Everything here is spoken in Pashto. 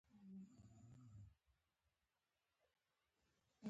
ترکیه د ختیځ او لویدیځ ګډه څېره ده.